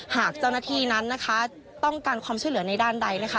หากเจ้าหน้าที่นั้นนะคะต้องการความช่วยเหลือในด้านใดนะคะ